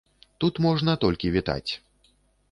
Тут можна толькі вітаць.